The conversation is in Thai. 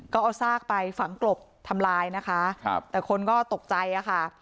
ก็เอาซากไปฝังกลบทำลายนะคะครับแต่คนก็ตกใจอะค่ะ